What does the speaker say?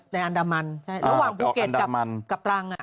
อันดามันระหว่างภูเก็ตกับตรัง